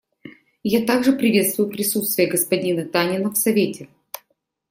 Я также приветствую присутствие господина Танина в Совете.